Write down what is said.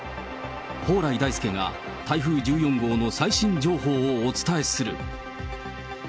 蓬莱大介が台風１４号の最新情報をお伝えする。